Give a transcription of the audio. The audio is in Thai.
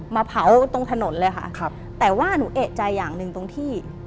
มาเผาตรงถนนเลยค่ะครับแต่ว่าหนูเอกใจอย่างหนึ่งตรงที่